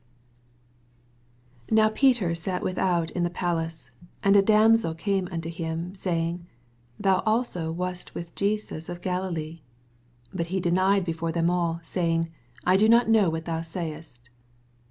69 Now Peter sat withont in the palace : and a damsel came anto him, saying, Thon also wast with Jesns of Galilee. 70 Bat he denied before th«m all, saying, I know not what thou sayest.